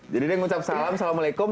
jadi dia ngucap salam salamualaikum